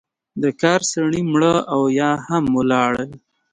د کار سړی مړه او یا هم ولاړل.